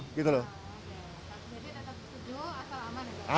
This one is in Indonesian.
jadi tetap setuju asal aman